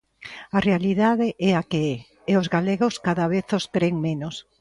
A realidade é a que é, e os galegos cada vez os cren menos.